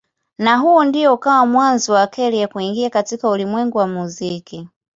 Na huu ndio ukawa mwanzo wa Carey kuingia katika ulimwengu wa muziki.